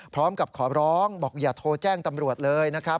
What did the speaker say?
พร้อมกับขอร้องบอกอย่าโทรแจ้งตำรวจเลยนะครับ